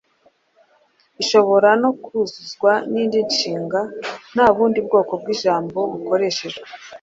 Ishobora no kuzuzwa n’indi nshinga nta bundi bwoko bw’ijambo bukoreshejwe.